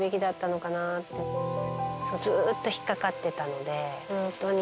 ずっと引っ掛かってたのでホントに。